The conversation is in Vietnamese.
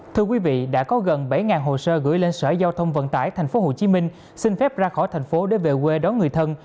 thưa quý vị đã có gần bảy hồ sơ gửi lên sở giao thông vận tải tp hcm xin phép ra khỏi thành phố để về quê đón người thân